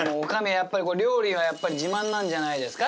やっぱり料理は自慢なんじゃないですか？